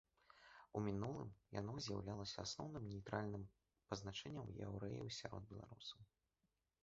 У мінулым, яно з'яўлялася асноўным нейтральным пазначэннем яўрэяў сярод беларусаў.